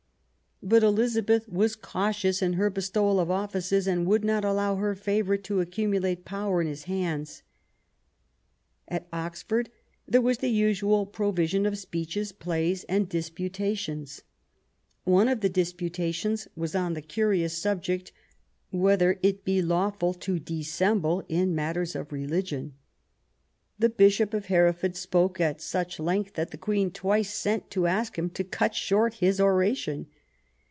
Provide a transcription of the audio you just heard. But Elizabeth was cautious in her be stowal of offices, and would not allow her favourite to accumulate power in his hands. At Oxford there 256 QUEEN ELIZABETH, was the usual provision of speeches, plays and dis putations. One of the disputations was on the curious subject :Whether it be lawful to dissemble in matters of religion ?'* The Bishop of Hereford spoke at such length that the Queen twice sent to ask him to cut short his oration.